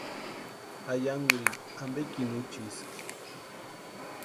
Ayankurini ampekini úchiski.